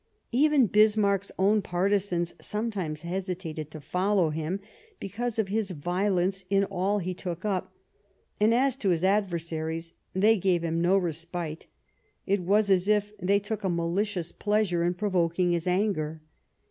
Even Bismarck's own partisans sometimes hesi tated to follow him because of his violence in all he took up ; and, as to his adversaries, they gave him no respite ; it was as if they took a malicious pleasure in provoking his anger.